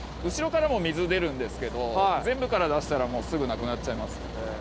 後ろからも水出るんですけど全部から出したらすぐなくなっちゃいますね。